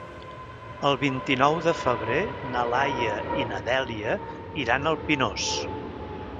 El vint-i-nou de febrer na Laia i na Dèlia iran al Pinós.